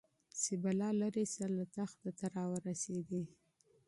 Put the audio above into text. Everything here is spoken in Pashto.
چي بلا ليري سوه له تخته ته راورسېدې